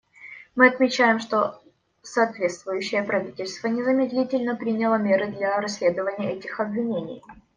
Мы отмечаем, что соответствующее правительство незамедлительно приняло меры для расследования этих обвинений.